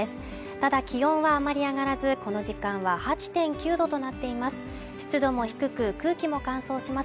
ただ気温はあまり上がらずこの時間は８．９度となっています